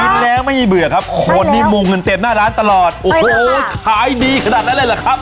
กินแล้วไม่มีเบื่อครับขนที่มุมเงินเต็บหน้าร้านตลอดโอ้โหหายดีขนาดนั้นแล้วแหละครับ